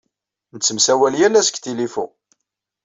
Nettemsawal yal ass deg tilifu.